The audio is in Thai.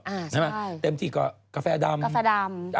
ใช่ไหมเต็มที่ก็กาแฟดำ